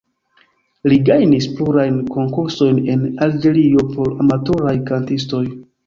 Li gajnis plurajn konkursojn en Alĝerio por amatoraj kantistoj.